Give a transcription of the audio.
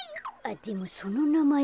でもそのなまえ